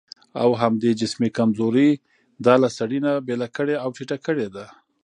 او همدې جسمي کمزورۍ دا له سړي نه بېله کړې او ټيټه کړې ده.